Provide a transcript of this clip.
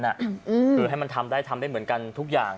คือให้มันทำได้ทำได้เหมือนกันทุกอย่าง